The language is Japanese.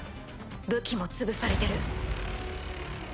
武器も潰されてる。